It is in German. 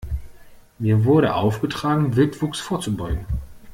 Mir wurde aufgetragen, Wildwuchs vorzubeugen.